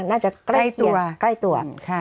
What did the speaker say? น่าจะใกล้ตัว